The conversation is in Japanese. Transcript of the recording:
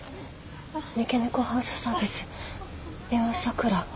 三毛猫ハウスサービス美羽さくら。